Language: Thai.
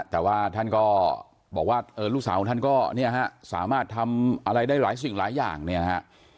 แต่ว่าท่านก็บอกว่าลูกสาวของท่านก็เนี่ยฮะสามารถทำอะไรได้หลายสิ่งหลายอย่างเนี่ยฮะ